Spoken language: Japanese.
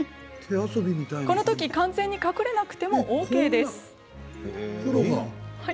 このとき完全に隠れなくてもＯＫ。